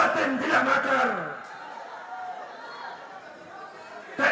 sulatin tidak makar